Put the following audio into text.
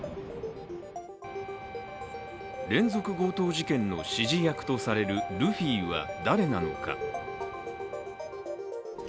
連続強盗事件の指示役とされるルフィは誰なのか。